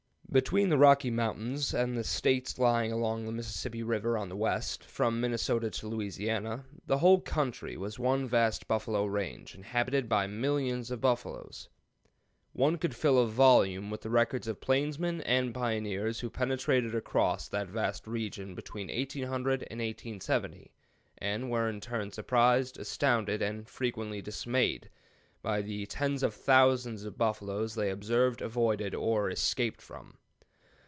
Between the Rocky Mountains and the States lying along the Mississippi River on the west, from Minnesota to Louisiana, the whole country was one vast buffalo range, inhabited by millions of buffaloes. One could fill a volume with the records of plainsmen and pioneers who penetrated or crossed that vast region between 1800 and 1870, and were in turn surprised, astounded, and frequently dismayed by the tens of thousands of buffaloes they observed, avoided, or escaped from.